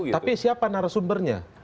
tapi siapa narasumbernya